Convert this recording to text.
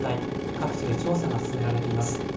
各地で調査が進められています。